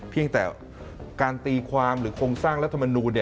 เพียงแต่การตีความหรือโครงสร้างรัฐมนูล